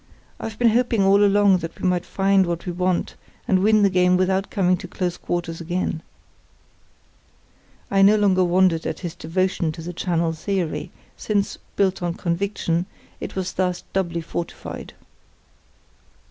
I've been hoping all along that we might find what we want and win the game without coming to close quarters again." I no longer wondered at his devotion to the channel theory, since, built on conviction, it was thus doubly fortified.